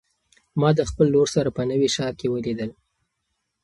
ما د خپل ورور سره په نوي ښار کې ولیدل.